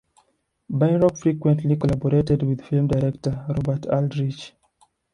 Biroc frequently collaborated with film director Robert Aldrich.